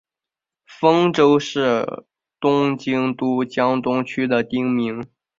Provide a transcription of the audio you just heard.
丰洲是东京都江东区的町名。